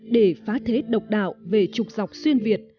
để phá thế độc đạo về trục dọc xuyên việt